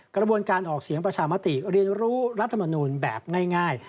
กระบวนการออกเสียงประชามติเรียนรู้รัฐมนูลแบบง่าย